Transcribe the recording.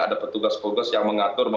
ada petugas petugas yang mengatur